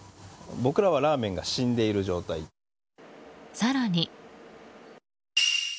更に。